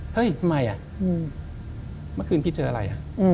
เฮ้ยทำไมเมื่อคืนพี่เจออะไร